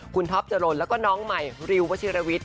คุณท็อปจรนแล้วก็น้องใหม่ริววชิรวิทย